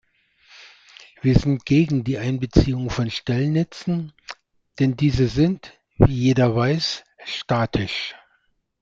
Wir sind gegen die Einbeziehung von Stellnetzen, denn diese sind, wie jeder weiß, statisch.